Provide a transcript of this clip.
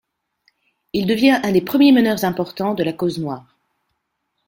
Il devient un des premiers meneurs importants de la cause noire.